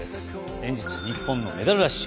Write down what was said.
連日、日本のメダルラッシュ。